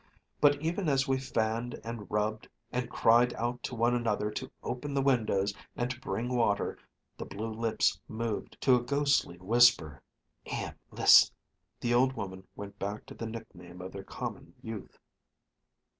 But even as we fanned and rubbed, and cried out to one another to open the windows and to bring water, the blue lips moved to a ghostly whisper: "Em, listen " The old woman went back to the nickname of their common youth.